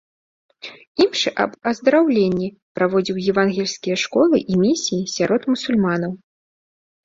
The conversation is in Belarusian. Імшы аб аздараўленні, праводзіў евангельскія школы і місіі сярод мусульманаў.